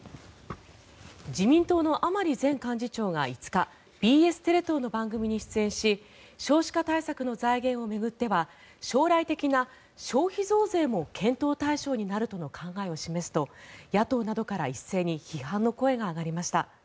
自民党の甘利前幹事長が５日ＢＳテレ東の番組に出演し少子化対策の財源を巡っては将来的な消費増税も検討対象になるとの考えを示すと野党などから一斉に批判の声が上がりました。